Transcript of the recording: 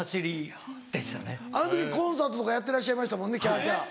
あの時コンサートとかやってらっしゃいましたもんね。